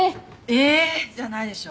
「えっ！」じゃないでしょ。